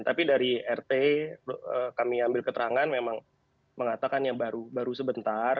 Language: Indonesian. tapi dari rt kami ambil keterangan memang mengatakan yang baru sebentar